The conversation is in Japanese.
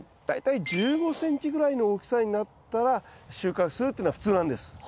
大体１５ｃｍぐらいの大きさになったら収穫するっていうのが普通なんです。